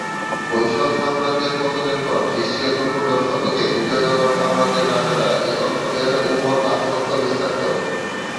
হৈসল সাম্রাজ্যের পতনের পর খ্রিস্টীয় চতুর্দশ শতকে বিজয়নগর সাম্রাজ্যের রাজারা এই অঞ্চলের উপর আধিপত্য বিস্তার করে।